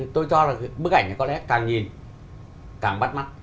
tôi cho là bức ảnh này có lẽ càng nhìn càng bắt mắt